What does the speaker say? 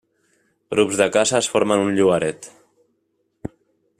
Grups de cases formen un llogaret.